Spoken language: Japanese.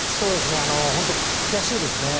本当に悔しいですね。